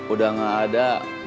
udah gak ada